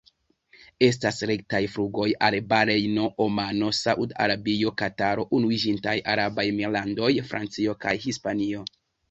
Estas rektaj flugoj al Barejno, Omano, Saud-Arabio, Kataro, Unuiĝintaj Arabaj Emirlandoj, Francio kaj Hispanio.